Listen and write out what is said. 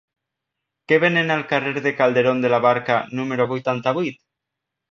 Què venen al carrer de Calderón de la Barca número vuitanta-vuit?